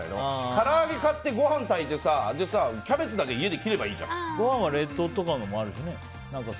から揚げ買って、ご飯炊いてキャベツだけご飯は冷凍とかのもあるしね。